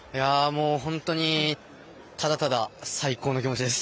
本当にただただ最高の気持ちです。